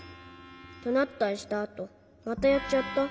どなったりしたあと「またやっちゃった。